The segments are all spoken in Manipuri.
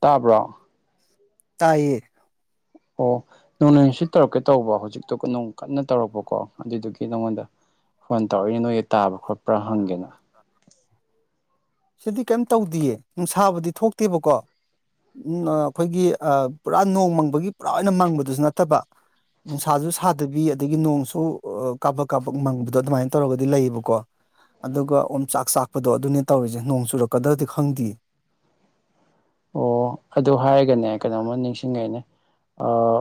ꯇꯥꯕ꯭ꯔꯣ ꯇꯥꯏꯌꯦ ꯑꯣ ꯅꯣꯡꯂꯩ ꯅꯨꯡꯁꯤꯠ ꯇꯧꯔꯛꯀꯦ ꯇꯧꯕ ꯍꯧꯖꯤꯛꯇꯨ ꯅꯣꯡ ꯀꯟꯅ ꯇꯧꯔꯛꯄꯀꯣ ꯑꯗꯨꯗꯨꯒꯤ ꯅꯪꯉꯣꯟꯗ ꯐꯣꯟ ꯇꯧꯔꯛꯏꯅꯦ ꯅꯣꯏꯒꯤ ꯇꯥꯕ꯭ꯔꯥ ꯈꯣꯠꯄ꯭ꯔꯥ ꯍꯪꯒꯦꯅꯥ ꯁꯤꯗꯗꯤ ꯀꯦꯝ ꯇꯧꯗꯤꯌꯦ ꯅꯨꯡꯁꯥꯕꯗꯤ ꯊꯣꯛꯇꯦꯕꯀꯣ ꯎꯝꯑ ꯑꯥ ꯑꯩꯈꯣꯏꯒꯤ ꯑꯥ ꯄꯨꯔꯥ ꯅꯣꯡ ꯃꯪꯕꯒꯤ ꯄꯨꯔꯥ ꯑꯣꯏꯅ ꯃꯪꯕꯗꯨꯁꯨ ꯅꯠꯇꯕ ꯅꯨꯡꯁꯥꯁꯨ ꯁꯥꯗꯕꯤ ꯑꯗꯒꯤ ꯅꯣꯡꯁꯨ ꯑꯥ ꯀꯥꯕꯛ ꯀꯥꯕꯛ ꯃꯪꯕꯗꯣ ꯑꯗꯨꯃꯥꯏꯅ ꯇꯧꯔꯒꯗꯤ ꯂꯩꯌꯦꯕꯀꯣ ꯑꯗꯨꯒ ꯑꯣꯝꯆꯥꯛ ꯆꯥꯛꯄꯗꯣ ꯑꯗꯨꯅꯦ ꯇꯧꯔꯤꯁꯦ ꯅꯣꯡ ꯆꯨꯔꯛꯀꯗ꯭ꯔꯗꯤ ꯈꯪꯗꯤꯌꯦ ꯑꯣ ꯑꯗꯨ ꯍꯥꯏꯔꯒꯅꯦ ꯀꯩꯅꯣꯝꯃ ꯅꯤꯡꯁꯤꯡꯉꯩꯅꯦ ꯑꯥ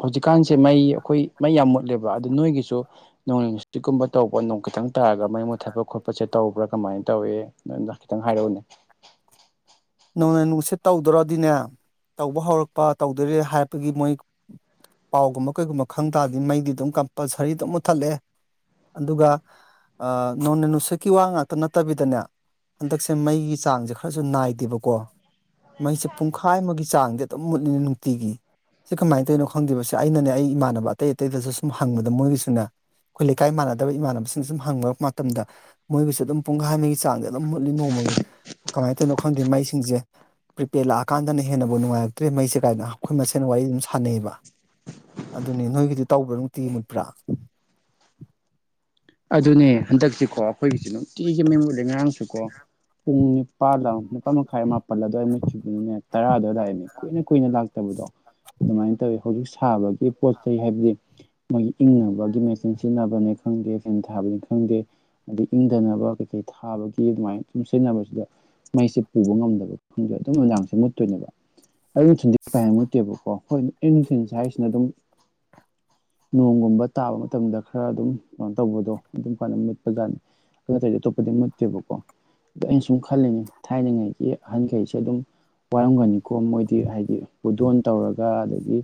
ꯍꯧꯖꯤꯛꯀꯥꯟꯁꯦ ꯃꯩ ꯑꯩꯈꯣꯏ ꯃꯩ ꯌꯥꯝ ꯃꯨꯠꯂꯦꯕ ꯑꯗꯨ ꯅꯣꯏꯒꯤꯁꯨ ꯅꯣꯡꯂꯩ ꯅꯨꯡꯁꯤꯠꯀꯨꯝꯕ ꯇꯧꯕ ꯅꯣꯡ ꯀꯇꯪ ꯇꯪ ꯇꯥꯔꯒ ꯃꯩ ꯃꯨꯠ ꯊꯛꯄ ꯈꯣꯠꯄꯁꯦ ꯇꯧꯕ꯭ꯔꯥ ꯀꯃꯥꯏꯅ ꯇꯧꯏ ꯅꯪ ꯈꯤꯇꯪ ꯍꯥꯏꯔꯛꯎꯅꯦ [inaudible] ꯅꯣꯡꯂꯩ ꯅꯨꯡꯁꯤꯠ ꯇꯧꯗꯣꯔꯗꯤꯅꯦ ꯇꯧꯕ ꯍꯧꯔꯛꯄ ꯇꯧꯗꯔꯦ ꯍꯥꯏꯕꯒꯤ ꯃꯣꯏ ꯄꯥꯎꯒꯨꯝꯕ ꯀꯩꯒꯨꯝꯕ ꯈꯪ ꯇꯥꯔꯗꯤ ꯃꯩꯗꯤ ꯑꯗꯨꯝ ꯀꯝꯄꯜꯁꯔꯤ ꯑꯗꯨꯝ ꯃꯨꯠꯊꯠꯂꯛꯑꯦ ꯑꯗꯨꯒ ꯅꯣꯅꯦ ꯅꯨꯡꯁꯛꯀꯤ ꯋꯥ ꯉꯥꯛꯇ ꯅꯠꯇꯕꯤꯗꯅꯦ ꯍꯟꯗꯛꯁꯦ ꯃꯩꯒꯤ ꯆꯥꯡꯁꯦ ꯈꯔꯁꯨ ꯅꯥꯏꯗꯦꯕꯀꯣ ꯃꯩꯁꯦ ꯄꯨꯡꯈꯥꯏ ꯑꯃꯒꯤ ꯆꯥꯡꯗꯤ ꯑꯗꯨꯝ ꯃꯨꯠꯂꯤ ꯅꯨꯡꯇꯤꯒꯤ ꯁꯤ ꯀꯃꯥꯏꯅ ꯇꯧꯔꯤꯅꯣ ꯈꯪꯗꯦꯕꯁ ꯑꯩꯅꯅꯦ ꯑꯩ ꯏꯃꯥꯟꯅꯕ ꯑꯇꯩ ꯑꯇꯩꯗꯁꯨ ꯁꯨꯝ ꯍꯪꯕꯗ ꯃꯣꯏꯒꯤꯁꯨꯅꯦ ꯑꯩꯈꯣꯏ ꯂꯩꯀꯥꯏ ꯃꯥꯟꯅꯗꯕ ꯏꯃꯥꯟꯅꯕꯁꯤꯡꯁꯦ ꯁꯨꯝ ꯍꯪꯕ ꯃꯇꯝꯗ ꯃꯣꯏꯒꯤꯁꯨ ꯑꯗꯨꯝ ꯄꯨꯡꯈꯥꯏ ꯑꯃꯒꯤ ꯆꯥꯡꯗ ꯑꯗꯨꯝ ꯃꯨꯠꯂꯤ ꯅꯣꯡꯃ ꯀꯃꯥꯏꯅ ꯇꯧꯅꯣ ꯈꯪꯗꯦ ꯃꯩꯁꯤꯡꯁꯦ ꯄ꯭ꯔꯤꯄꯦꯠ ꯂꯥꯛꯑꯀꯥꯟꯗꯅ ꯍꯦꯟꯅꯕꯨ ꯅꯨꯡꯉꯥꯏꯔꯛꯇ꯭ꯔꯦ ꯃꯩꯁꯦ ꯀꯥꯏꯅ ꯑꯩꯈꯣꯏ ꯃꯁꯦꯜ ꯋꯥꯔꯤ ꯑꯗꯨꯝ ꯁꯥꯟꯅꯩꯑꯕ ꯑꯗꯨꯅꯤ ꯅꯣꯏꯒꯤꯗꯤ ꯇꯧꯕ꯭ꯔꯥ ꯅꯨꯡꯛꯇꯤꯒꯤ ꯃꯨꯠꯄ꯭ꯔꯥ ꯑꯗꯨꯅꯦ ꯍꯟꯗꯛꯁꯤꯀꯣ ꯑꯩꯈꯣꯏꯒꯤꯁꯨ ꯅꯨꯡꯇꯤꯒꯤ ꯃꯩꯃꯨꯠꯂꯦ ꯉꯔꯥꯡꯁꯨꯀꯣ ꯄꯨꯡ ꯅꯤꯄꯥꯜꯂ ꯅꯤꯄꯥꯟ ꯃꯈꯥꯏ ꯃꯥꯞ ꯄꯜꯂ ꯑꯗꯨꯋꯥꯏ ꯃꯨꯠꯈꯤꯕꯗꯨꯅꯦ ꯇꯔꯥꯗ ꯂꯥꯛꯑꯦ ꯀꯨꯏꯅ ꯀꯨꯏꯅ ꯂꯥꯛꯇꯕꯗꯣ ꯑꯗꯨꯃꯥꯏꯅ ꯇꯧꯋꯤ ꯍꯧꯖꯤꯛ ꯁꯥꯕꯒꯤ ꯄꯣꯠ ꯆꯩ ꯍꯥꯏꯕꯗꯤ ꯃꯣꯏ ꯏꯪꯅꯕꯒꯤ ꯃꯦꯆꯤꯟ ꯁꯤꯖꯤꯟꯅꯕꯅꯦ ꯈꯪꯗꯦ ꯑꯦꯟ ꯊꯥꯕꯅꯤ ꯈꯪꯗꯦ ꯑꯗꯩ ꯏꯪꯗꯅꯕ ꯀꯩꯀꯩ ꯊꯥꯕꯒꯤ ꯑꯗꯨꯃꯥꯏꯅ ꯁꯨꯝ ꯁꯤꯖꯤꯟꯅꯕꯁꯤꯗ ꯃꯩꯁꯦ ꯄꯨꯕ ꯉꯝꯗꯕ ꯈꯪꯗꯣꯏ ꯑꯗꯨꯝ ꯅꯨꯅꯨꯡꯗꯥꯡꯁꯦ ꯃꯨꯠꯇꯣꯏꯅꯦꯕ ꯑꯌꯨ ꯅꯨꯡꯊꯤꯟꯗꯤ ꯀꯌꯥ ꯏꯪꯉꯛ ꯇꯦꯕꯀꯣ ꯍꯣꯏ ꯑꯌꯨ ꯅꯨꯡꯊꯤꯟ ꯁꯦ ꯍꯥꯏꯁꯤꯅ ꯑꯗꯨꯝ ꯅꯣꯡꯒꯨꯝꯕ ꯇꯥꯕ ꯃꯇꯝꯗ ꯈꯔ ꯑꯗꯨꯝ ꯇꯧꯕꯗꯣ ꯑꯗꯨꯝ ꯀꯥꯟꯅ ꯃꯨꯠꯄꯖꯥꯠꯅꯤ ꯑꯗꯨ ꯑꯇꯩꯗꯤ ꯑꯇꯣꯞꯄꯗꯤ ꯃꯨꯠꯇꯦꯕꯀꯣ ꯑꯗ ꯑꯩꯅ ꯁꯨꯝ ꯈꯜꯂꯤꯅꯤ ꯊꯥꯏꯅꯉꯩꯒꯤ ꯑꯍꯟꯈꯩꯁꯦ ꯑꯗꯨꯝ ꯋꯥꯔꯝꯒꯅꯤꯀꯣ ꯃꯣꯏꯗꯤ ꯍꯥꯏꯗꯤ ꯄꯨꯗꯣꯟ ꯇꯧꯔꯒ ꯑꯗꯒꯤ ꯒꯤ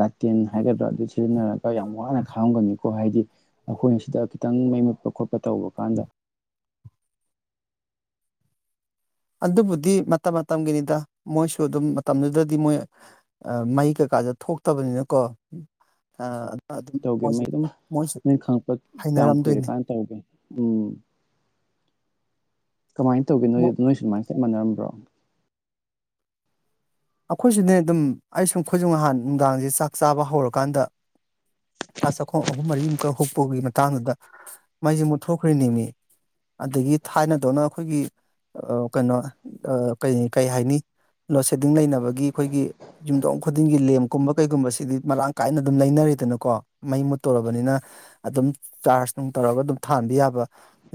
ꯂꯥꯇꯦꯟ ꯍꯥꯏꯒꯗ꯭ꯔꯥ ꯑꯗꯨ ꯁꯤꯖꯤꯟꯅꯔꯒ ꯌꯥꯝ ꯋꯥꯅ ꯈꯥꯝꯒꯅꯤꯀꯣ ꯍꯥꯏꯗꯤ ꯑꯈꯣꯏꯅ ꯁꯤꯗ ꯈꯤꯇꯪ ꯃꯩ ꯃꯨꯠꯄ ꯈꯣꯠꯄ ꯇꯧꯕ ꯀꯥꯟꯗ ꯑꯗꯨꯕꯨꯗꯤ ꯃꯇꯝ ꯃꯇꯝꯒꯤꯅꯤꯗ ꯃꯣꯏꯁꯨ ꯑꯗꯨꯝ ꯃꯇꯝꯗꯨꯗꯗꯤ ꯃꯣꯏ ꯃꯩ ꯀ ꯀꯥꯥꯁꯦ ꯊꯣꯛꯇꯕꯅꯤꯅꯀꯣ ꯑꯗꯨꯝ ꯇꯧꯒꯦ ꯃꯣꯏꯁꯨ ꯃꯩ ꯑꯗꯨꯝ ꯃꯣꯏꯁꯨ ꯅꯣꯏ ꯈꯪꯉꯛꯄ ꯀꯌꯥꯝ ꯀꯨꯏꯔ ꯍꯩꯅꯔꯝꯗꯣꯏꯅꯤ ꯀꯥꯟ ꯇꯧꯒꯦ ꯎꯝ ꯀꯃꯥꯏꯅ ꯇꯧꯒꯦ ꯃꯣꯏ ꯅꯣꯏ ꯅꯣꯏ ꯁꯨꯃꯥꯏ ꯆꯞ ꯃꯥꯟꯅꯔꯝꯕ꯭ꯔꯣ ꯑꯩꯈꯣꯏꯁꯨꯅꯦ ꯑꯗꯨꯝ ꯑꯩ ꯁꯨꯝ ꯑꯩꯈꯣꯏꯁꯨ ꯅꯍꯥꯟ ꯅꯨꯡꯗꯥꯡꯖꯦ ꯆꯥꯛ ꯆꯥꯕ ꯍꯧꯔꯀꯥꯟꯗ ꯆꯥꯛ ꯆꯥꯈꯣꯡ ꯑꯍꯨꯝ ꯃꯔꯤꯃꯨꯛꯀ ꯍꯨꯛꯄꯒꯤ ꯃꯇꯥꯡꯗꯨꯗ ꯃꯩꯁꯦ ꯃꯨꯠꯊꯣꯛꯈ꯭ꯔꯦꯅꯤꯃꯤ ꯑꯗꯒꯤ ꯊꯥꯏꯅꯗꯧꯅ ꯑꯩꯈꯣꯏꯒꯤ ꯑꯥ ꯀꯩꯅꯣ ꯑꯥ ꯀꯩ ꯀꯩ ꯍꯥꯏꯅꯤ [unintelligible] ꯗꯤꯡ ꯂꯩꯅꯕꯒꯤ ꯑꯩꯈꯣꯏꯒꯤ ꯌꯨꯝꯊꯣꯡ ꯈꯨꯗꯤꯡꯒꯤ ꯂꯦꯝꯒꯨꯝꯕ ꯀꯩꯒꯨꯝꯕꯁꯤꯗꯤ ꯃꯔꯥꯡ ꯀꯥꯏꯅ ꯑꯗꯨꯝ ꯂꯩꯅꯔꯦꯗꯅꯀꯣ ꯃꯩ ꯃꯨꯠꯇꯧꯔꯕꯅꯤꯅ ꯑꯗꯨꯝ ꯆꯥꯔꯖ ꯅꯨꯡ ꯇꯧꯔꯒ ꯑꯗꯨꯝ ꯊꯥꯟꯕ ꯌꯥꯕ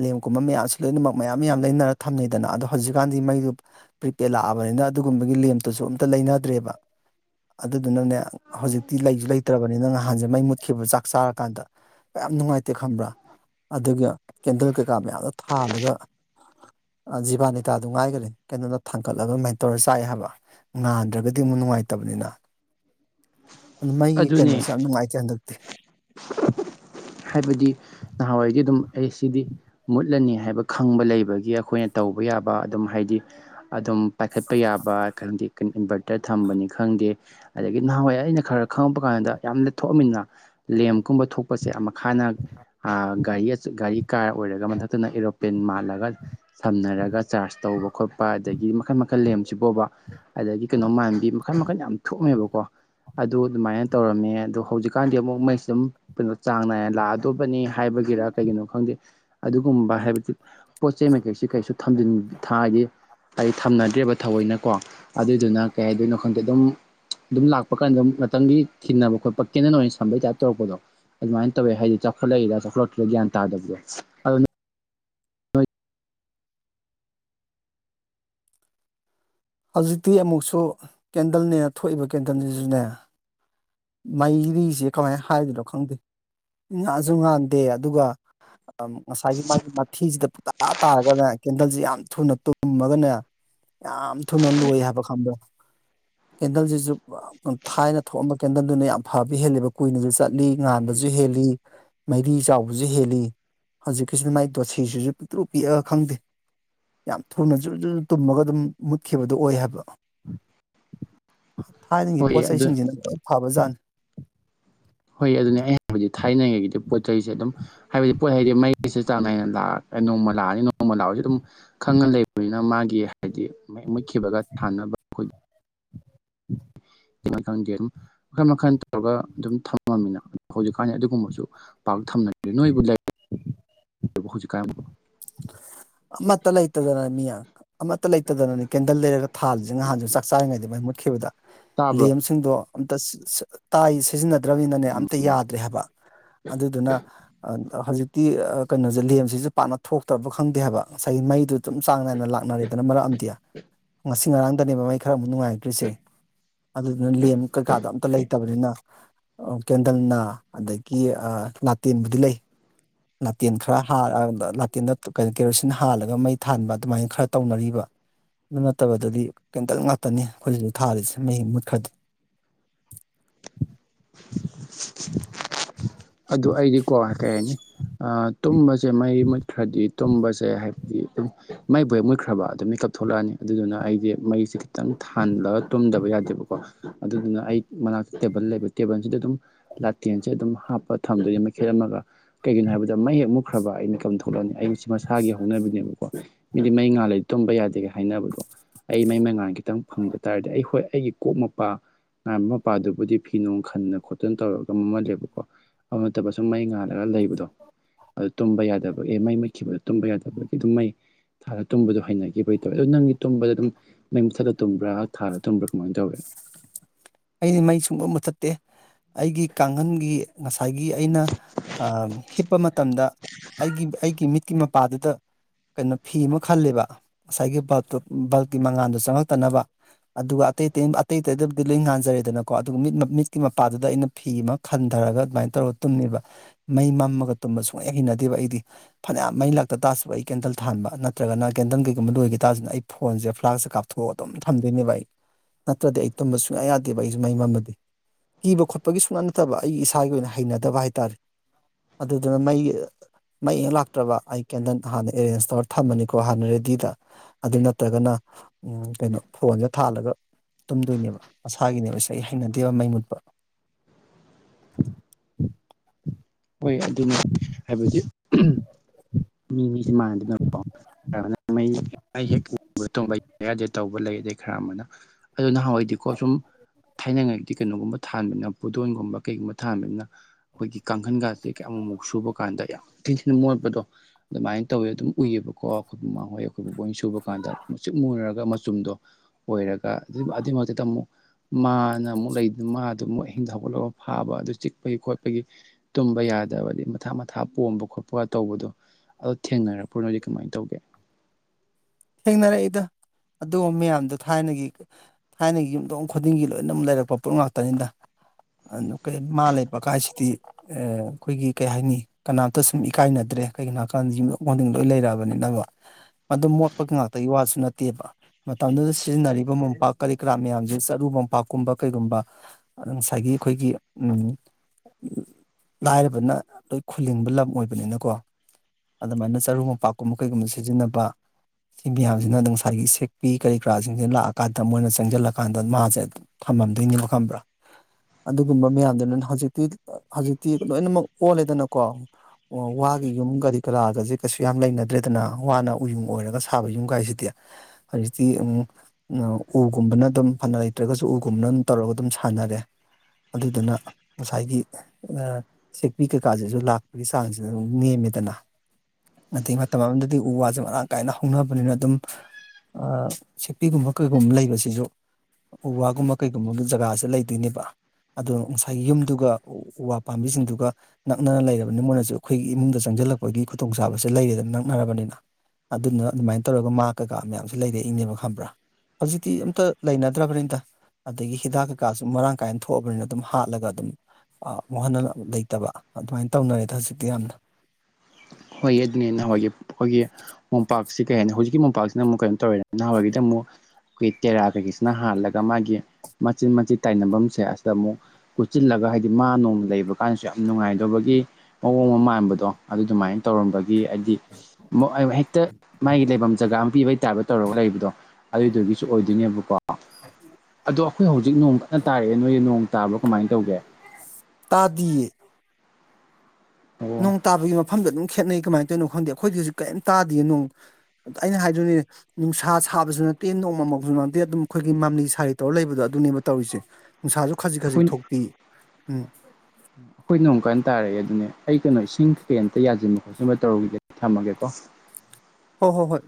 ꯂꯦꯝꯒꯨꯝꯕ ꯃꯌꯥꯝ ꯑꯁꯤ ꯂꯣꯏꯅꯃꯛ ꯃꯌꯥꯝ ꯃꯌꯥꯝ ꯂꯩꯅꯔ ꯊꯝꯅꯩꯗꯅ ꯑꯗꯣ ꯍꯧꯖꯤꯛꯀꯥꯟꯗꯤ ꯃꯩꯗꯨ ꯄ꯭ꯔꯤꯄꯦꯗ ꯂꯥꯛꯑꯕꯅꯤꯅ ꯑꯗꯨꯒꯨꯝꯕꯒꯤ ꯂꯦꯝ ꯇꯨꯁꯨ ꯑꯝꯇ ꯂꯩꯅꯗ꯭ꯔꯦꯕ ꯑꯗꯨꯗꯨꯅꯅꯦ ꯍꯧꯖꯤꯛꯇꯤ ꯂꯩꯁꯨ ꯂꯩꯇ꯭ꯔꯕꯅꯤꯅ ꯅꯍꯥꯟꯁꯨ ꯃꯩ ꯃꯨꯠꯈꯤꯕ ꯆꯥꯛ ꯆꯥꯔꯀꯥꯟꯗ ꯌꯥꯝ ꯅꯨꯡꯉꯥꯏꯇꯦ ꯈꯪꯕ꯭ꯔꯥ ꯑꯗꯨꯒ ꯀꯦꯟꯗꯜ ꯀꯩꯀꯥ ꯃꯌꯥꯝꯗꯣ ꯊꯥꯜꯂꯒ ꯗꯣꯕꯥꯅꯤꯇꯥꯗꯨ ꯉꯥꯏꯈꯔꯦ ꯀꯦꯟꯗꯜꯗꯨ ꯊꯥꯡꯒꯠꯂꯒ ꯑꯗꯨꯃꯥꯏꯅ ꯇꯧꯔ ꯆꯥꯏ ꯍꯥꯏꯕ ꯉꯥꯟꯗ꯭ꯔꯒꯗꯤ ꯑꯃꯨꯛ ꯅꯨꯡꯉꯥꯏꯇꯕꯅꯤꯅ ꯑꯗꯨ ꯃꯩꯒꯤ ꯑꯗꯨꯅꯦ ꯀꯩꯅꯣꯁꯦ ꯌꯥꯝ ꯅꯨꯡꯉꯥꯏꯇꯦ ꯍꯟꯗꯛꯇꯤ ꯍꯥꯏꯕꯗꯤ ꯅꯍꯥꯟꯋꯥꯏꯗꯤ ꯑꯗꯨꯝ ꯑꯩ ꯁꯤꯗꯤ ꯃꯨꯠꯂꯅꯤ ꯍꯥꯏꯕ ꯈꯪꯕ ꯂꯩꯕꯒꯤ ꯑꯩꯈꯣꯏꯅ ꯇꯧꯕ ꯌꯥꯕ ꯑꯗꯨꯝ ꯍꯥꯏꯗꯤ ꯑꯗꯨꯝ ꯄꯥꯏꯈꯠꯄ ꯌꯥꯕ ꯏꯟꯚꯔꯇꯔ ꯊꯝꯕꯅꯤ ꯈꯪꯗꯦ ꯑꯗꯒꯤ ꯅꯍꯥꯟꯋꯥꯏ ꯑꯩꯅ ꯈꯔ ꯈꯪꯉꯛꯕ ꯀꯥꯟꯗ ꯌꯥꯝꯅ ꯊꯣꯛꯑꯃꯤꯅ ꯂꯦꯝꯒꯨꯝꯕ ꯊꯣꯛꯄꯁꯦ ꯑꯃꯛ ꯍꯥꯟꯅ ꯒꯥꯔꯤ ꯒꯥꯔꯤ ꯀꯥꯔ ꯑꯣꯏꯔꯒ ꯃꯊꯛꯇꯅ ꯑꯦꯔꯣꯄ꯭ꯂꯦꯟ ꯃꯥꯜꯂꯒ ꯁꯝꯅꯔꯒ ꯆꯥꯔꯖ ꯇꯧꯕ ꯈꯣꯠꯄ ꯑꯗꯒꯤ ꯃꯈꯜ ꯃꯈꯜ ꯂꯦꯝꯁꯤꯕꯣꯕ ꯑꯗꯒꯤ ꯀꯩꯅꯣ ꯃꯥꯟꯕꯤ ꯃꯈꯜ ꯃꯈꯟ ꯌꯥꯝ ꯊꯣꯛꯃꯦꯕꯀꯣ ꯑꯗꯨ ꯑꯗꯨꯃꯥꯏꯅ ꯇꯧꯔꯝꯃꯦ ꯑꯗꯣ ꯍꯧꯖꯤꯛꯀꯥꯟꯗꯤ ꯑꯃꯨꯛ ꯃꯩꯁꯤ ꯑꯗꯨꯝ ꯀꯩꯅꯣ ꯆꯥꯡ ꯅꯥꯏ ꯂꯥꯛꯑꯗꯧꯕꯅꯤ ꯍꯥꯏꯕꯒꯤꯔ ꯀꯩꯒꯤꯅꯣ ꯈꯪꯗꯦ ꯑꯗꯨꯒꯨꯝꯕ ꯍꯥꯏꯕꯗꯤ ꯄꯣꯠ ꯆꯩ ꯃꯀꯩꯁꯤ ꯀꯩꯁꯨ ꯑꯗꯨꯝ ꯊꯥꯒꯤ ꯑꯩ ꯊꯝꯅꯗ꯭ꯔꯦꯕ ꯊꯑꯣꯏꯅꯀꯣ ꯑꯗꯨꯏꯗꯨꯅ ꯀꯩ ꯍꯥꯏꯗꯣꯏꯅꯣ ꯈꯪꯗꯦ ꯑꯗꯨꯝ ꯑꯗꯨꯝ ꯂꯥꯛꯄ ꯀꯥꯟꯗ ꯑꯗꯨꯝ ꯉꯥꯛꯇꯪꯒꯤ ꯊꯤꯅꯕ ꯈꯣꯠꯄ ꯀꯦꯟꯗꯟ ꯑꯣꯏꯅ ꯁꯝꯕꯒꯤ ꯇꯥꯏꯞ ꯇꯧꯔꯛꯄꯗꯣ ꯑꯗꯨꯃꯥꯏꯅ ꯇꯧꯋꯦ ꯍꯥꯏꯗꯤ ꯆꯥꯎꯈꯠꯂꯛꯏꯔꯥ ꯆꯥꯎꯈꯠꯂꯛꯇ꯭ꯔꯤꯔꯥ ꯒ꯭ꯌꯥꯟ ꯇꯥꯗꯕꯗꯣ ꯑꯗꯨ ꯍꯧꯖꯤꯛꯇꯤ ꯑꯃꯨꯛꯁꯨ ꯀꯦꯟꯗꯜꯅꯦꯅ ꯊꯣꯛꯏꯕ ꯀꯦꯟꯗꯜꯁꯤꯁꯨꯅꯦ ꯃꯩꯔꯤꯁꯦ ꯀꯃꯥꯏꯅ ꯍꯥꯏꯗꯣꯏꯅꯣ ꯈꯪꯗꯦ ꯉꯥꯟꯁꯨ ꯉꯥꯟꯗꯦ ꯑꯗꯨꯒ ꯉꯁꯥꯏꯒꯤ ꯃꯥꯒꯤ ꯃꯊꯤꯁꯤꯗ ꯄꯇꯥ ꯇꯥꯔꯒꯅꯦ ꯀꯦꯟꯗꯜꯁꯤ ꯌꯥꯝ ꯊꯨꯅ ꯇꯨꯝꯃꯒꯅꯦ ꯌꯥꯝ ꯊꯨꯅ ꯂꯣꯏ ꯍꯥꯏꯕ ꯈꯪꯕ꯭ꯔ ꯀꯦꯟꯗꯜꯁꯤꯁꯨ ꯊꯥꯏꯅ ꯊꯣꯛꯑꯝꯕ ꯀꯦꯟꯗꯜꯗꯨꯅ ꯌꯥꯝ ꯐꯕ ꯍꯦꯜꯂꯤꯕ ꯀꯨꯏꯅꯁꯨ ꯆꯠꯂꯤ ꯉꯥꯟꯕꯁꯨ ꯍꯦꯜꯂꯤ ꯃꯩꯔꯤ ꯆꯥꯎꯕꯁꯨ ꯍꯦꯜꯂꯤ ꯍꯧꯖꯤꯛꯀꯤꯁꯤꯗꯤ ꯃꯥꯏ ꯗꯣꯁꯤꯁꯤꯁꯨ ꯄꯤꯛꯇ꯭ꯔꯨꯛ ꯄꯤꯛꯑꯒ ꯈꯪꯗꯦ ꯌꯥꯝ ꯊꯨꯅ ꯖꯨꯔ ꯖꯨꯔ ꯇꯨꯝꯃꯒ ꯑꯗꯨꯝ ꯃꯨꯠꯈꯤꯕꯗꯣ ꯑꯣꯏ ꯍꯥꯏꯕ ꯊꯥꯏꯅꯒꯤ ꯍꯣꯏ ꯄꯣꯠ ꯑꯗꯨ ꯆꯩꯁꯤꯡꯁꯤꯅ ꯂꯣꯏ ꯐꯕꯖꯥꯠꯅꯤ ꯍꯣꯏ ꯑꯗꯨꯅꯦ ꯑꯩ ꯍꯥꯏꯕꯗꯤ ꯊꯥꯏꯅꯉꯩꯒꯤꯗꯤ ꯄꯣꯠ ꯆꯩꯁꯦ ꯑꯗꯨꯝ ꯍꯥꯏꯕꯗꯤ ꯄꯣꯠ ꯍꯥꯏꯗꯤ ꯃꯩꯁꯤ ꯆꯥꯡ ꯅꯥꯏꯅ ꯂꯥꯛꯑ ꯅꯣꯡꯃ ꯂꯥꯛꯑꯅꯤ ꯅꯣꯡꯃ ꯂꯥꯛꯑꯣꯁꯨ ꯑꯗꯨꯝ ꯈꯪꯉ ꯂꯩꯔꯕꯅꯤꯅ ꯃꯥꯒꯤ ꯒꯤ ꯍꯥꯏꯗꯤ ꯃꯨꯠꯈꯤꯕꯒ ꯊꯥꯅꯕ ꯑꯩꯈꯣꯏ ꯎꯝ ꯈꯪꯗꯦ ꯑꯗꯨꯝ ꯃꯈꯟ ꯃꯈꯜ ꯇꯧꯔꯒ ꯑꯗꯨꯝ ꯊꯝꯃꯃꯤꯅ ꯍꯧꯖꯤꯛꯀꯥꯟꯗꯤ ꯑꯗꯨꯒꯨꯝꯕꯁꯨ ꯊꯝꯅꯔꯤꯗꯦ ꯅꯣꯏꯕꯨ ꯍꯧꯖꯤꯛꯀꯥꯟꯕꯨ ꯑꯃꯇ ꯂꯩꯇꯗꯅꯅꯤꯌꯦ ꯑꯃꯠꯇ ꯂꯩꯇꯗꯅꯅꯦ ꯀꯦꯟꯗꯜ ꯂꯩꯔꯒ ꯊꯥꯜꯂꯤꯁꯦ ꯅꯍꯥꯟꯁꯨ ꯆꯥꯛ ꯆꯥꯔꯤꯉꯩꯗ ꯃꯩ ꯃꯨꯠꯈꯤꯕꯗ ꯇꯥꯕ꯭ꯔꯣ ꯂꯦꯝꯁꯤꯡꯗꯣ ꯑꯝꯇ ꯇꯥꯏ ꯁꯤꯖꯤꯟꯅ ꯗ꯭ꯔꯕꯅꯤꯅꯅꯦ ꯑꯝꯇ ꯌꯥꯗ꯭ꯔꯦ ꯍꯥꯏꯕ ꯑꯗꯨꯗꯨꯅ ꯍꯧꯖꯤꯛ ꯇꯤ ꯀꯩꯅꯣꯁꯦ ꯂꯦꯝꯁꯤꯁꯨ ꯄꯥꯛꯅ ꯊꯣꯛꯇꯕ ꯈꯪꯗꯦ ꯍꯥꯏꯕ ꯉꯁꯥꯏꯒꯤ ꯃꯩꯗꯨ ꯁꯨꯝ ꯆꯥꯡ ꯅꯥꯏꯅ ꯂꯥꯛꯅꯔꯦꯗꯅ ꯃꯔꯛ ꯑꯝꯗꯤ ꯉꯁꯤ ꯉꯔꯥꯡꯗꯅꯦꯕ ꯃꯩ ꯈꯔ ꯅꯨꯡꯉꯥꯏꯇ꯭ꯔꯤꯁꯦ ꯑꯗꯨꯗꯨꯅ ꯂꯦꯝ ꯀꯩꯀꯥꯗꯣ ꯑꯝꯇ ꯂꯩꯇꯕꯅꯤꯅ ꯀꯦꯟꯗꯜꯅ ꯑꯗꯒꯤ ꯂꯥꯇꯦꯟꯕꯨꯗꯤ ꯂꯩ ꯂꯥꯇꯦꯟ ꯈꯔ ꯂꯥꯇꯦꯟꯗ ꯀꯦꯔꯣꯁꯤꯟ ꯍꯥꯜꯂꯒ ꯃꯩ ꯊꯥꯟꯕ ꯑꯗꯨꯃꯥꯏꯅ ꯈꯔ ꯇꯧꯅꯔꯤꯕ ꯑꯗꯨ ꯅꯠꯇꯕꯗꯗꯤ ꯀꯦꯟꯗꯜ ꯉꯥꯛꯇꯅꯤ ꯑꯩꯈꯣꯏꯁꯤꯗ ꯊꯥꯜꯂꯤꯁꯤ ꯃꯩ ꯃꯨꯠꯈ꯭ꯔꯗꯤ [inaudible] [inaudible] ꯑꯗꯨ ꯑꯩꯗꯤꯀꯣ ꯀꯩ ꯍꯥꯏꯅꯤ ꯇꯨꯝꯕꯁꯦ ꯃꯩ ꯃꯨꯠꯈ꯭ꯔꯗꯤ ꯇꯨꯝꯕꯁꯦ ꯍꯥꯏꯕꯗꯤ ꯑꯗꯨꯝ ꯃꯩꯕꯨ ꯍꯦꯛ ꯃꯨꯠꯈ꯭ꯔꯕ ꯑꯗꯨꯝ ꯃꯤꯀꯞ ꯊꯣꯛꯂꯛꯑꯅꯤ ꯑꯗꯨꯗꯨꯅ ꯑꯩꯗꯤ ꯃꯩꯁꯦ ꯈꯤꯇꯪ ꯊꯥꯜꯂꯒ ꯇꯨꯝꯗꯕ ꯌꯥꯗꯦꯕꯀꯣ ꯑꯗꯨꯗꯨꯅ ꯑꯩ ꯃꯅꯥꯛꯇ ꯇꯦꯕꯜ ꯂꯩꯕ ꯇꯦꯕꯜꯁꯤꯗ ꯑꯗꯨꯝ ꯇꯦꯟꯁꯦ ꯑꯗꯨꯝ ꯍꯥꯞꯄ ꯊꯝꯗꯣꯏꯅꯤ ꯃꯩꯈꯦꯠ ꯑꯃꯒ ꯀꯩꯒꯤꯅꯣ ꯍꯥꯏꯕꯗ ꯃꯩ ꯍꯦꯛ ꯃꯨꯛꯈ꯭ꯔꯕ ꯑꯩꯅ ꯀꯝ ꯊꯣꯛꯂꯛꯑꯅꯤ ꯑꯩ ꯃꯁꯥꯒꯤ ꯍꯧꯅꯕꯤꯅꯦꯕꯀꯣ ꯃꯤꯗꯤ ꯃꯩ ꯉꯥꯜꯂꯗꯤ ꯇꯨꯝꯕ ꯌꯥꯗꯦꯒ ꯍꯥꯏꯅꯕꯗꯣ ꯑꯩ ꯃꯩ ꯃꯉꯥꯟ ꯈꯤꯇꯪ ꯐꯪꯕ ꯇꯥꯔꯗꯤ ꯑꯩ ꯍꯣꯏ ꯑꯩꯒꯤ ꯀꯣꯛ ꯃꯄꯥ ꯉꯥꯟꯕ ꯃꯄꯥꯗꯨꯕꯨꯗꯤ ꯐꯤ ꯅꯨꯡ ꯈꯟꯗꯅ ꯈꯣꯠꯇꯅ ꯇꯧꯔꯒ ꯃꯝꯍꯜꯂꯦꯕꯀꯣ ꯑꯗꯨ ꯅꯠꯇꯕ ꯁꯨꯝ ꯃꯩ ꯉꯥꯜꯂꯒ ꯂꯩꯕꯗꯣ ꯑꯗꯨ ꯇꯨꯝꯕ ꯌꯥꯗꯕꯒꯤ ꯃꯩ ꯃꯨꯠꯈꯤꯕꯗꯣ ꯇꯨꯝꯕ ꯌꯥꯗꯕꯒꯤ ꯑꯗꯨꯝ ꯃꯩ ꯊꯥꯜꯂꯒ ꯇꯨꯝꯕꯗꯣ ꯍꯩꯅ ꯇꯧꯋꯦ ꯑꯗꯨ ꯅꯪꯗꯤ ꯇꯨꯝꯕꯗ ꯑꯗꯨꯝ ꯃꯩ ꯃꯨꯊꯠꯂ ꯇꯨꯝꯕ꯭ꯔꯥ ꯊꯥꯜꯂꯒ ꯇꯨꯝꯕ꯭ꯔꯥ ꯀꯃꯥꯏꯅ ꯇꯧꯋꯦ ꯑꯩꯗꯤ ꯃꯩ ꯁꯨꯡꯃꯨꯠ ꯃꯨꯊꯠꯇꯦ ꯑꯩꯒꯤ ꯀꯥꯡꯈꯟꯒꯤ ꯉꯁꯥꯏꯒꯤ ꯑꯩꯅ ꯑꯥ ꯍꯤꯞꯄ ꯃꯇꯝꯗ ꯑꯩꯒꯤ ꯑꯩꯒꯤ ꯃꯤꯠꯀꯤ ꯃꯄꯥꯗꯨꯗ ꯀꯩꯅꯣ ꯐꯤ ꯑꯃ ꯈꯜꯂꯦꯕ ꯉꯁꯥꯏꯒꯤ ꯕꯜꯇꯣ ꯕꯜꯕꯀꯤ ꯃꯉꯥꯜꯗꯣ ꯆꯪꯉꯛꯇꯅꯕ ꯑꯗꯨꯒ ꯑꯇꯩꯇꯩ ꯑꯇꯩ ꯑꯇꯩꯗꯕꯨꯗꯤ ꯂꯣꯏ ꯉꯥꯟꯖꯔꯦꯗꯅꯀꯣ ꯑꯗꯨꯒ ꯃꯤꯠ ꯃꯤꯠꯀꯤ ꯃꯄꯥꯗꯨꯗ ꯑꯩꯅ ꯐꯤ ꯑꯃ ꯈꯟꯊꯔꯒ ꯑꯗꯨꯃꯥꯏꯅ ꯇꯧ ꯒ ꯇꯨꯝꯃꯦꯕ ꯃꯩ ꯃꯝꯃꯒ ꯇꯨꯝꯕ ꯁꯨꯡꯍꯩ ꯍꯩꯅꯗꯦꯕ ꯑꯩꯗꯤ ꯐꯅꯌꯥꯝ ꯃꯩ ꯂꯥꯛꯇ ꯇꯥꯁꯨꯕ ꯑꯩ ꯀꯦꯟꯗꯜ ꯊꯥꯟꯕ ꯅꯠꯇ꯭ꯔꯒꯅ ꯀꯦꯟꯗꯜ ꯀꯩꯒꯨꯝꯕ ꯂꯣꯏꯒꯤ ꯇꯥꯔꯁꯨꯅꯦ ꯑꯩ ꯐꯣꯟꯁꯦ ꯐ꯭ꯂꯥꯛꯁꯦ ꯀꯥꯞꯊꯣꯛꯑ ꯑꯗꯨꯝ ꯊꯝꯗꯣꯏꯅꯦꯕ ꯑꯩ ꯅꯠꯇ꯭ꯔꯗꯤ ꯑꯩ ꯇꯨꯝꯕ ꯁꯨꯡꯌꯥ ꯌꯥꯗꯦꯕ ꯑꯩꯁꯨ ꯃꯩ ꯃꯝꯃꯗꯤ ꯀꯤꯕ ꯈꯣꯠꯄꯒꯤ ꯁꯨꯡꯅꯠ ꯅꯠꯇꯕ ꯑꯩꯒꯤ ꯏꯁꯥꯒꯤ ꯑꯣꯏꯅ ꯍꯩꯅꯗꯕ ꯍꯥꯏ ꯇꯥꯔꯦ ꯑꯗꯨꯗꯨꯅ ꯃꯩ ꯑ ꯃꯩ ꯍꯦꯛ ꯂꯥꯛꯇ꯭ꯔꯕ ꯑꯩ ꯀꯦꯟꯗꯟ ꯍꯥꯟꯅ ꯑꯦꯔꯦꯟꯖ ꯇꯧꯔ ꯊꯝꯃꯅꯤꯀꯣ ꯍꯥꯟꯅ ꯔꯦꯗꯤꯗ ꯑꯗꯨ ꯅꯠꯇ꯭ꯔꯒꯅ ꯎꯝ ꯀꯩꯅꯣ ꯐꯣꯟꯁꯦ ꯊꯥꯜꯂꯒ ꯇꯨꯝꯗꯣꯏꯅꯦꯕ ꯃꯁꯥꯒꯤꯅꯦꯕ ꯁꯦ ꯑꯩ ꯍꯩꯅꯗꯦꯕ ꯃꯩ ꯃꯨꯠꯄ [inaudible] ꯍꯣꯏ ꯑꯗꯨꯅꯤ ꯍꯥꯏꯕꯗꯤ ꯃꯤ ꯃꯤꯁꯦ ꯃꯥꯟꯅꯗꯦꯅꯀꯣ ꯍꯦꯛ [unintelligible] ꯇꯧꯕ ꯂꯩ ꯑꯗꯩ ꯈꯔ ꯑꯃꯅ ꯑꯗꯣ ꯅꯍꯥꯟꯋꯥꯏꯗꯤꯀꯣ ꯁꯨꯝ ꯊꯥꯏꯅ ꯉꯩ ꯗꯤ ꯀꯩꯅꯣꯒꯨꯝꯕ ꯊꯥꯟꯕꯅꯤꯅ ꯄꯨꯗꯣꯟꯒꯨꯝꯕ ꯀꯩꯒꯨꯝꯕ ꯊꯥꯟꯕꯅꯤꯅ ꯑꯩꯈꯣꯏꯒꯤ ꯀꯥꯡꯈꯟꯒ ꯁꯦ ꯑꯃꯨꯛꯃꯨꯛ ꯁꯨꯕ ꯀꯥꯟꯗ ꯌꯥꯝ ꯊꯤꯟ ꯊꯤꯅ ꯃꯣꯠꯄꯗꯣ ꯑꯗꯨꯃꯥꯏꯅ ꯇꯧꯋꯦ ꯑꯗꯨꯝ ꯎꯏꯌꯦꯕꯀꯣ ꯑꯩꯈꯣꯏ ꯃꯥꯃꯥ ꯍꯣꯏ ꯑꯩꯈꯣꯏ ꯕꯨꯕꯣꯛ ꯍꯣꯏ ꯁꯨꯕ ꯀꯥꯟꯗ ꯃꯨꯁꯤꯛ ꯃꯨꯔꯒ ꯆꯨꯝꯗꯣ ꯑꯣꯏꯔꯒ ꯑꯗꯨ ꯑꯗꯨꯏ ꯃꯊꯛꯇ ꯑꯃꯨꯛ ꯃꯥꯅ ꯑꯃꯨꯛ ꯂꯩꯗꯨꯅ ꯃꯥꯗꯨ ꯑꯃꯨꯛ ꯑꯍꯤꯡꯗ ꯍꯧꯒꯠꯂꯒ ꯐꯥꯕ ꯑꯗꯨ ꯆꯤꯛꯄꯒꯤ ꯈꯣꯠꯄꯒꯤ ꯇꯨꯝꯕ ꯌꯥꯗꯕꯗꯤ ꯃꯊꯥ ꯃꯊꯥ ꯄꯣꯝꯕ ꯈꯣꯠꯄꯒ ꯇꯧꯕꯗꯣ ꯑ ꯊꯦꯡꯅꯔꯛꯄ꯭ꯔ ꯅꯣꯏꯗꯤ ꯀꯃꯥꯏꯅ ꯇꯧꯒꯦ ꯊꯦꯡꯅꯔꯛꯏꯗ ꯑꯗꯨꯒꯨꯝꯕ ꯃꯌꯥꯝꯗꯣ ꯊꯥꯏꯅꯒꯤ ꯊꯥꯏꯅꯒꯤ ꯌꯨꯝꯊꯣꯡ ꯈꯨꯗꯤꯡꯒꯤ ꯂꯣꯏꯅ ꯂꯩꯔꯛꯄ ꯄꯣꯠ ꯉꯥꯛꯇꯅꯤꯅ ꯑꯗꯨꯅ ꯀꯩꯅꯣ ꯃꯥ ꯂꯩꯕ ꯀꯥꯏꯁꯤꯗꯤ ꯑ ꯑꯩꯈꯣꯏꯒꯤ ꯀꯩ ꯍꯥꯏꯅꯤ ꯀꯅꯥꯝꯇ ꯁꯨꯝ ꯏꯀꯥꯏꯅꯗ ꯀꯩꯒꯤꯅꯣ ꯍꯥꯏ ꯀꯥꯟꯗ ꯌꯨꯝꯗꯣꯡ ꯂꯣꯏ ꯂꯩꯛꯑꯔꯕꯅꯤꯅꯕ ꯀꯣ ꯑꯗꯨꯝ ꯃꯣꯏ ꯉꯥꯛꯇꯒꯤ ꯋꯥꯁꯨ ꯅꯠꯇꯦꯕ ꯃꯇꯝꯗꯨꯗ ꯁꯤꯖꯤꯟꯅꯔꯤꯕ ꯃꯣꯝꯄꯥꯛ ꯀꯔꯤ ꯀꯔꯥ ꯃꯌꯥꯝꯁꯦ ꯆꯔꯨ ꯃꯣꯝꯄꯥꯛꯀꯨꯝꯕ ꯀꯩꯒꯨꯝꯕ ꯑ ꯉꯁꯥꯏꯒꯤ ꯑꯩꯈꯣꯏꯒꯤ ꯎꯝ ꯂꯥꯏꯔꯕꯅ ꯂꯣꯏ ꯈꯨꯜꯂꯤꯡꯕ ꯂꯝ ꯑꯣꯏꯕꯅꯤꯅꯀꯣ ꯑꯗꯨꯃꯥꯏꯅ ꯆꯔꯨ ꯃꯄꯥꯛꯀꯨꯝꯕ ꯀꯩꯒꯨꯝꯕ ꯁꯤꯖꯤꯟꯅꯕ ꯁꯤ ꯃꯌꯥꯝꯁꯤꯅ ꯑꯗꯨꯝ ꯉꯁꯥꯏꯒꯤ ꯁꯦꯛꯄꯤ ꯀꯔꯤ ꯀꯔꯥꯁꯤꯡꯁꯦ ꯂꯥꯛꯑꯀꯥꯟꯗ ꯃꯣꯏꯅ ꯆꯪꯁꯤꯜꯂꯀꯥꯟꯗ ꯃꯥꯁꯦ ꯑꯗꯨ ꯊ ꯃꯝꯗꯣꯏꯅꯦꯕ ꯈꯪꯕ꯭ꯔꯥ ꯑꯗꯨꯒꯨꯝꯕ ꯃꯌꯥꯝꯗꯨꯅ ꯍꯧꯖꯤꯛꯇꯤ ꯍꯧꯖꯤꯛꯇꯤ ꯂꯣꯏꯅꯃꯛ ꯑꯣꯜꯂꯦꯗꯅꯀꯣ ꯃꯥꯒꯤ ꯌꯨꯝ ꯀꯔꯤ ꯀꯔꯥꯒꯁꯦ ꯀꯩꯁꯨ ꯌꯥꯝ ꯂꯩꯅꯗ꯭ꯔꯦꯗꯅ ꯋꯥꯅ ꯎꯌꯨꯡ ꯑꯣꯏꯔꯒ ꯁꯥꯕ ꯌꯨꯝꯒꯥꯏꯁꯤꯗꯤ ꯍꯧꯖꯤꯛꯇꯤ ꯎ ꯎꯒꯨꯝꯕꯅ ꯑꯗꯨꯝ ꯐꯅ ꯂꯩꯇ꯭ꯔꯒꯁꯨ ꯎꯒꯨꯝꯕꯅ ꯑꯗꯨꯝ ꯇꯧꯔꯒ ꯑꯗꯨꯝ ꯁꯥꯟꯅꯔꯦ ꯑꯗꯨꯗꯨꯅ ꯉꯁꯥꯏꯒꯤ ꯑ ꯁꯦꯛꯄꯤ ꯀꯩꯀꯥꯁꯤꯁꯨ ꯂꯥꯛꯄꯒꯤ ꯆꯥꯡꯁꯤꯗ ꯑꯗꯨꯝ ꯅꯦꯝꯃꯦ ꯗꯅ ꯑꯗꯩ ꯃꯇꯝ ꯑꯃꯗꯗꯤ ꯎ ꯋꯥꯁꯦ ꯃꯔꯥꯡ ꯀꯥꯏꯅ ꯍꯧꯅꯕꯅꯤꯅ ꯑꯗꯨꯝ ꯑꯥ ꯁꯦꯛꯄꯤꯒꯨꯝꯕ ꯀꯩꯒꯨꯝꯕ ꯂꯩꯕꯁꯤꯁꯨ ꯎ ꯋꯥꯒꯨꯝꯕ ꯀꯩꯒꯨꯝꯕ ꯖꯒꯥꯁꯦ ꯂꯩꯗꯣꯏꯅꯦꯕ ꯑꯗꯣ ꯉꯁꯥꯏꯒꯤ ꯌꯨꯝꯗꯨꯒ ꯎ ꯋꯥ ꯄꯥꯝꯕꯤꯁꯤꯡꯗꯨꯒ ꯅꯛꯅꯅ ꯂꯩꯔꯕꯅꯤ ꯃꯣꯏꯅꯁꯨ ꯑꯩꯈꯣꯏꯒꯤ ꯏꯃꯨꯡꯗ ꯆꯪ ꯆꯪꯁꯤꯜꯂꯛꯄꯒꯤ ꯈꯨꯗꯣꯡꯆꯥꯕꯁꯦ ꯂꯩꯔꯦꯗꯅ ꯅꯛꯅꯔꯕꯅꯤꯅ ꯑꯗꯨꯅ ꯑꯗꯨꯃꯥꯏꯅ ꯇꯧꯔꯒ ꯃꯥ ꯀꯩꯀꯥ ꯃꯌꯥꯝꯁꯦ ꯂꯩꯔꯛꯏꯅꯦꯕ ꯈꯪꯕ꯭ꯔꯥ ꯍꯧꯖꯤꯛꯇꯤ ꯑꯃꯠꯇ ꯂꯩꯅꯗ꯭ꯔꯕꯅꯤꯗ ꯑꯗꯒꯤ ꯍꯤꯗꯥꯛ ꯀꯩꯀꯥꯁꯨ ꯃꯔꯥꯡ ꯀꯥꯏꯅ ꯊꯣꯛꯑꯕꯅꯤꯅ ꯑꯗꯨꯝ ꯍꯥꯠꯂꯒ ꯑꯗꯨꯝ ꯑꯥꯥ ꯃꯍꯟꯅ ꯂꯩꯇꯕ ꯑꯗꯨꯃꯥꯏꯅ ꯇꯧꯅꯔꯦꯗ ꯍꯧꯖꯤꯛꯇꯤ ꯌꯥꯝꯅ ꯍꯣꯏ ꯑꯗꯨꯅꯦ ꯅꯍꯋꯥꯏꯒꯤ ꯑꯩꯈꯣꯏꯒꯤ ꯃꯣꯝꯄꯥꯛꯁꯤ ꯀꯩ ꯍꯥꯏꯅꯤ ꯍꯧꯖꯤꯛꯀꯤ ꯃꯣꯝꯄꯥꯛꯁꯤꯅ ꯑꯃꯨꯛ ꯀꯩꯅꯣꯝ ꯇꯧꯋꯦ ꯅꯍꯥꯟꯋꯥꯒꯤꯗ ꯑꯃꯨꯛ ꯑꯩꯈꯣꯏ ꯇꯦꯔꯥ ꯀꯩꯀꯩꯁꯤꯅ ꯍꯥꯜꯂꯒ ꯃꯥꯒꯤ ꯃꯆꯤꯠ ꯃꯆꯤꯠ ꯇꯥꯏꯅꯐꯝꯁꯦ ꯑꯁꯤꯗ ꯑꯃꯨꯛ ꯀꯨꯠꯆꯤꯜꯂꯒ ꯍꯥꯏꯗꯤ ꯃꯥ ꯅꯨꯡ ꯂꯩꯕ ꯀꯥꯟꯗꯁꯨ ꯌꯥꯝꯅ ꯅꯨꯡꯉꯥꯏꯗꯧꯕꯒꯤ ꯒꯤ ꯃꯑꯣꯡ ꯑꯃ ꯃꯥꯟꯕꯗꯣ ꯑꯗꯨ ꯗꯨꯃꯥꯏ ꯇꯧꯔꯝꯕꯒꯤ ꯑꯩꯗꯤ ꯍꯦꯛꯇ ꯃꯥꯒꯤ ꯂꯩꯐꯝ ꯖꯒꯥ ꯄꯤꯕꯩ ꯇꯥꯏꯕꯇ ꯇꯧꯔꯒ ꯂꯩꯕꯗꯣ ꯑꯗꯨꯗꯨꯒꯤꯁꯨ ꯑꯣꯏꯗꯣꯏꯅꯦꯕꯀꯣ ꯑꯗꯣ ꯑꯩꯈꯣꯏ ꯍꯧꯖꯤꯛ ꯅꯣꯡ ꯀꯟꯅ ꯇꯥꯔꯤꯌꯦ ꯅꯣꯏ ꯅꯣꯡ ꯇꯥꯕ꯭ꯔꯣ ꯀꯃꯥꯏ ꯇꯧꯒꯦ ꯇꯥꯗꯤ ꯑꯣ ꯅꯣꯡ ꯑꯩꯈꯣꯏ ꯇꯥꯕꯩ ꯃꯐꯝ ꯑꯗꯨꯝ ꯈꯦꯠꯅꯩ ꯀꯃꯥꯏꯅ ꯇꯧꯔꯤꯅꯣ ꯈꯪꯗꯦ ꯑꯩꯈꯣꯏꯒꯤꯁꯨ ꯀꯦꯝ ꯇꯥꯗꯤꯌꯦ ꯅꯣꯡ ꯑꯩꯅ ꯍꯥꯏꯗꯣꯏꯅꯦ ꯅꯨꯡꯁꯥ ꯁꯥꯕꯁꯨ ꯅꯠꯇꯦ ꯅꯣꯡꯃꯪꯕꯁꯨ ꯅꯠꯇꯦ ꯑꯗꯨꯝ ꯑꯩꯈꯣꯏꯒꯤ ꯃꯥꯝꯂꯤ ꯁꯥꯔꯤ ꯇꯧꯔ ꯂꯩꯕꯗꯣ ꯑꯗꯨꯅꯦꯕ ꯇꯧꯔꯤꯁꯦ ꯅꯨꯡꯁꯥꯁꯨ ꯈꯖꯤꯛ ꯍ ꯈꯖꯤꯛ ꯊꯣꯛꯄꯤ ꯎꯝ ꯑꯩꯈꯣꯏ ꯅꯣꯡ ꯀꯥꯟ ꯇꯥꯏꯌꯦ ꯑꯗꯨꯅꯦ ꯑꯩ ꯀꯩꯅꯣ ꯏꯁꯤꯡ ꯀꯀꯩ ꯌꯥꯁꯤꯟ ꯈꯣꯠꯆꯤꯟꯕ ꯑꯝꯇ ꯇꯧꯔꯨꯒꯦ ꯊꯝꯃꯒꯦꯀꯣ ꯍꯣ ꯍꯣ ꯍꯣꯏ